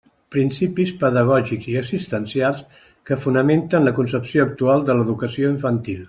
Principis pedagògics i assistencials que fonamenten la concepció actual de l'educació infantil.